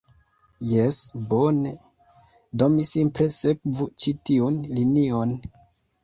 Jes, bone. Do mi simple sekvu ĉi tiun linion